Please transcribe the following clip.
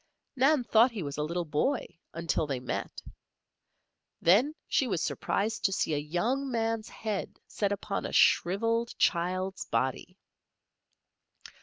Nan thought he was a little boy, until they met. Then she was surprised to see a young man's head set upon a shriveled child's body!